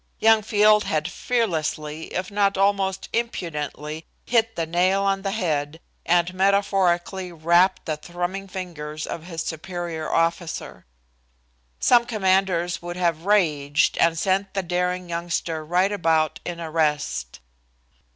Young Field had fearlessly, if not almost impudently, hit the nail on the head, and metaphorically rapped the thrumming fingers of his superior officer. Some commanders would have raged and sent the daring youngster right about in arrest.